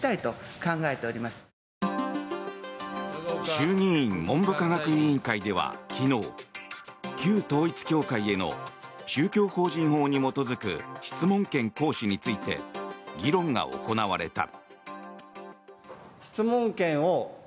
衆議院文部科学委員会では昨日旧統一教会への宗教法人法に基づく質問権行使について議論が行われた。